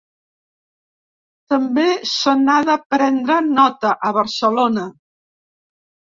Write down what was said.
També se n’ha de prendre nota, a Barcelona.